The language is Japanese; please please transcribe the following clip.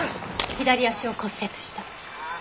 左足を骨折した。